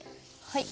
はい。